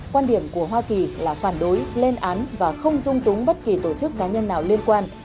quan điểm của hoa kỳ là phản đối lên án và không dung túng bất kỳ tổ chức cá nhân nào liên quan